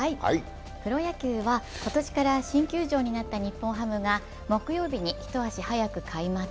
プロ野球は、今年から新球場になった日本ハムが木曜日に、一足早く開幕。